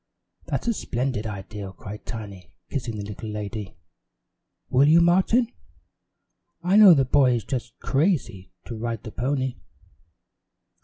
"That's a splendid idea," cried Tiny, kissing the little lady. "Will you, Martin? I know the boy is just crazy to ride the pony."